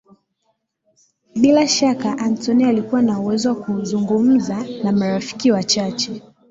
Bila shaka Antony alikuwa na uwezo wa kuzungumza na marafiki wachache